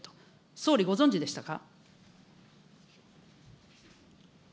総理ご存じでしたか。